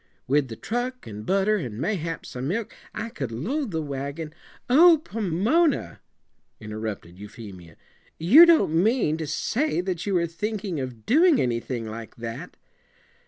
With the truck and butter, and mayhap some milk, I could load the wagon '" "Oh, Pomona," interrupted Euphemia, "you don't mean to say that you were thinking of doing anything like that?"